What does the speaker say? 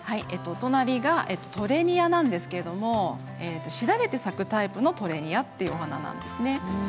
トレニアなんですけれどもしだれて咲くタイプのトレニアというお花ですね。